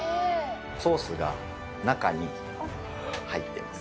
ソースが中に入ってます。